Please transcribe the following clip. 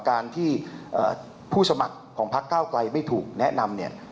การที่ผู้สมัครของพักเก้าไกลไม่ถูกแนะนำเนี่ย